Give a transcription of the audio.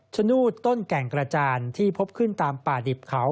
ชนูดต้นแก่งกระจานที่พบขึ้นตามป่าดิบเขา